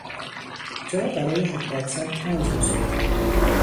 جا برای حداکثر پنج مسافر